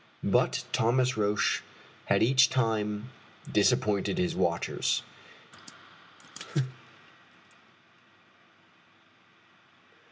But Thomas Roch had each time disappointed his watchers.